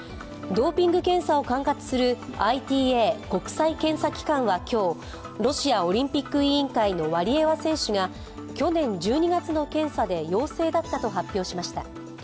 ドーピング検査を管轄するＩＴＡ＝国際検査機関は今日、ロシアオリンピック委員会のワリエワ選手が去年１２月の検査で陽性だったと発表しました。